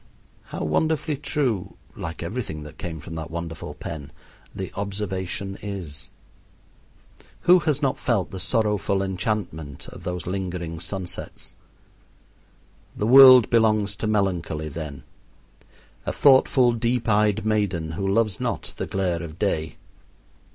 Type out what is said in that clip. How wonderfully true like everything that came from that wonderful pen the observation is! Who has not felt the sorrowful enchantment of those lingering sunsets? The world belongs to Melancholy then, a thoughtful deep eyed maiden who loves not the glare of day.